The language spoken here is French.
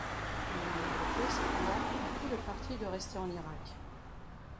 Une minorité, cependant, a pris le parti de rester en Irak.